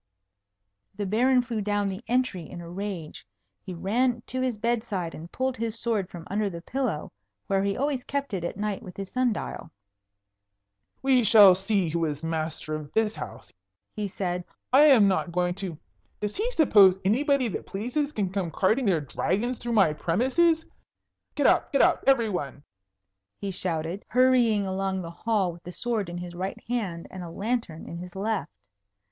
The Baron flew down the entry in a rage. He ran to his bedside and pulled his sword from under the pillows where he always kept it at night with his sun dial. "We shall see who is master of this house," he said. "I am not going to does he suppose anybody that pleases can come carting their dragons through my premises? Get up! Get up! Every one!" he shouted, hurrying along the hall with the sword in his right hand and a lantern in his left.